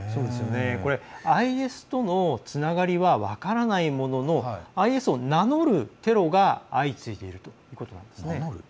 ＩＳとのつながりは分からないもののＩＳを名乗るテロが相次いでいるということなんですね。